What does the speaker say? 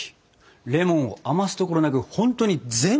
レモンを余すところなくほんとに全部使うんですね。